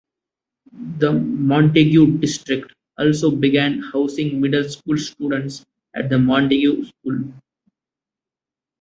The Montague District also began housing middle school students at the Montague School.